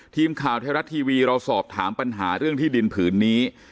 ทีมข่าวไทยรัฐทีวีเราสอบถามปัญหาเรื่องที่ดินผืนนี้